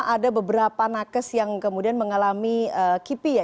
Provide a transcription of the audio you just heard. ada beberapa nakes yang kemudian mengalami kipi ya